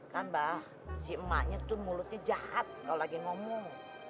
kan mbah si emaknya tuh mulutnya jahat kalau lagi ngomong